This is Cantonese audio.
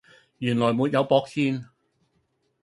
原來沒有駁線